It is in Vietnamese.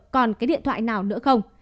còn cái điện thoại nào nữa không